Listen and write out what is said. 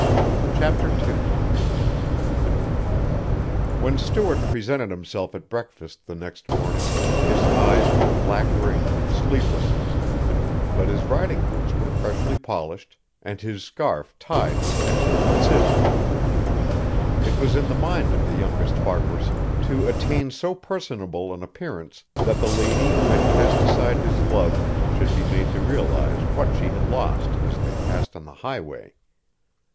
CHAPTER II When Stuart presented himself at breakfast the next morning his eyes were black ringed with sleeplessness, but his riding boots were freshly polished and his scarf tied with extra precision. It was in the mind of the youngest Farquaharson to attain so personable an appearance that the lady who had cast aside his love should be made to realize what she had lost as they passed on the highway.